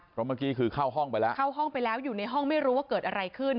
เพราะเมื่อกี้คือเข้าห้องไปแล้วเข้าห้องไปแล้วอยู่ในห้องไม่รู้ว่าเกิดอะไรขึ้น